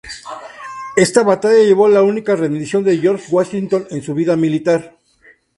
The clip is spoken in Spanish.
Esta batalla llevó a la única rendición de George Washington en su vida militar.